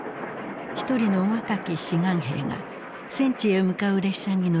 一人の若き志願兵が戦地へ向かう列車に乗り込んでいた。